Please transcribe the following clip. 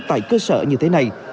tại cơ sở như thế này